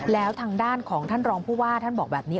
แล้วทางด้านของท่านรองผู้ว่าท่านบอกแบบนี้